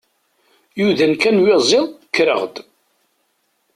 Yudan kan uyaziḍ, kkreɣ-d.